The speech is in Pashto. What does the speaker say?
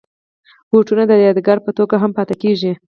بوټونه د یادګار په توګه هم پاتې کېږي.